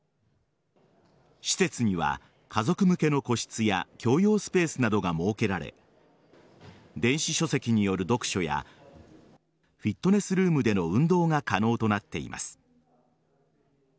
施設には、家族向けの個室や共用スペースなどが設けられ電子書籍による読書やフィットネスルームでの運動が可能となっています。